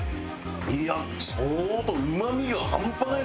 いや相当うまみが半端ないですね